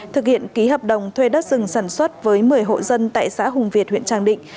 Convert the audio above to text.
thực hiện ký hợp đồng thuê đất rừng sản xuất với một mươi hộ dân tại xã hùng việt huyện trang định